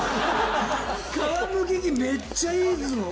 皮むき器めっちゃいい。